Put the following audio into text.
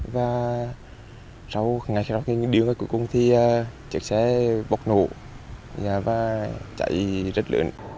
và sau ngày sau khi đưa ra cuối cùng thì chiếc xe bốc nổ và chạy rất lượn